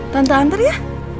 tante antar ya